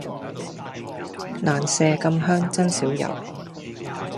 蘭麝咁香真少有